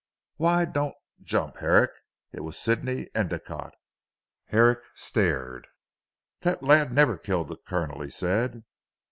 "Why! don't jump Herrick. It was Sidney Endicotte." Herrick stared. "That lad never killed the Colonel," he said.